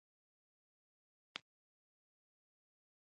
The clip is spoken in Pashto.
کوتره ډېر مهربانه ده.